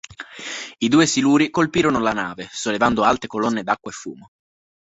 I due siluri colpirono la nave sollevando alte colonne d'acqua e fumo.